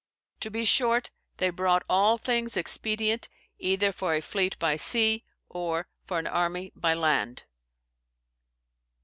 To be short, they brought all things expedient, either for a fleete by sea, or for an armie by land.